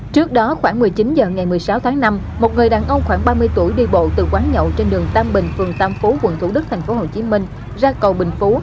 trước đó khoảng một mươi chín h ngày một mươi sáu tháng năm một người đàn ông khoảng ba mươi tuổi đi bộ từ quán nhậu trên đường tam bình phường tam phú quận thủ đức tp hcm ra cầu bình phú